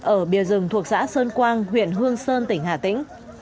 ở bìa rừng thuộc xã sơn quang huyện hương sơn tỉnh hà tĩnh